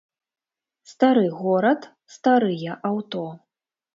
Стары горад, старыя аўто.